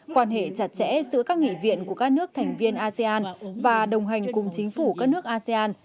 quan hệ chặt chẽ giữa các nghị viện của các nước thành viên asean và đồng hành cùng chính phủ các nước asean